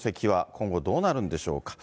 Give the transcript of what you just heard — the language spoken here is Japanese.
今後、どうなるんでしょうか。